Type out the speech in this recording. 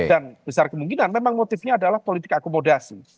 dan besar kemungkinan memang motifnya adalah politik akomodasi